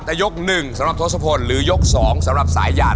แต่ยก๑สำหรับทศพลหรือยก๒สำหรับสายยาน